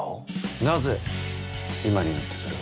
なぜ今になってそれを？